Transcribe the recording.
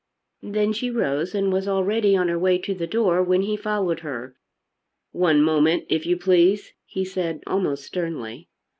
Then she rose and was already on her way to the door when he followed her. "One moment, if you please," he said almost sternly.